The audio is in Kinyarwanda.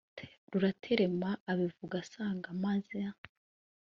rutaremara abivuga asanga ameza